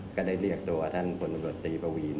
ก็ได้เรียกตัวท่านผลบริโรตีประวีน